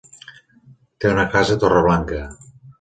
Té una casa a Torreblanca.